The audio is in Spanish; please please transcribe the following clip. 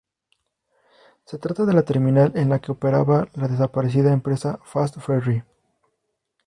Se trata de la terminal en la que operaba la desaparecida empresa Fast Ferry.